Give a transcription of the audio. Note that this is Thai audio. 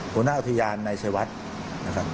บริษัทอุทยานในชายวัฒน์